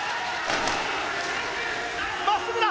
まっすぐだ！